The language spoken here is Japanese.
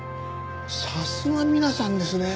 さすが皆さんですね。